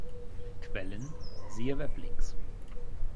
Quellen: Siehe Weblinks